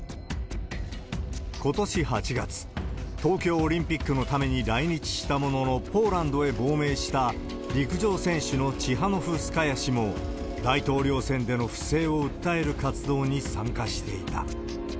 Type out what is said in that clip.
ことし８月、東京オリンピックのために来日したものの、ポーランドへ亡命した陸上選手のチハノフスカヤ氏も、大統領選での不正を訴える活動に参加していた。